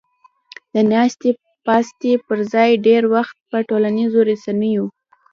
د ناستې پاستې پر ځای ډېر وخت په ټولنیزو رسنیو